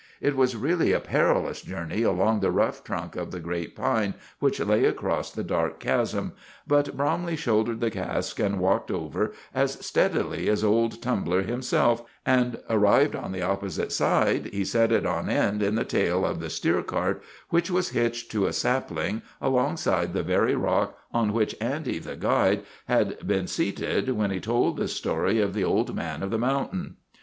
It was really a perilous journey along the rough trunk of the great pine which lay across the dark chasm, but Bromley shouldered the cask, and walked over as steadily as old Tumbler himself, and, arrived on the opposite side, he set it on end in the tail of the steer cart, which was hitched to a sapling alongside the very rock on which Andy, the guide, had been seated when he told the story of the old man of the mountain.